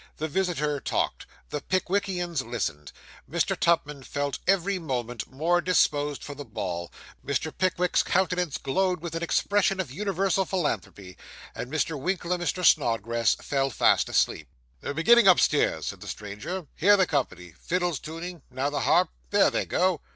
The visitor talked, the Pickwickians listened. Mr. Tupman felt every moment more disposed for the ball. Mr. Pickwick's countenance glowed with an expression of universal philanthropy, and Mr. Winkle and Mr. Snodgrass fell fast asleep. 'They're beginning upstairs,' said the stranger 'hear the company fiddles tuning now the harp there they go.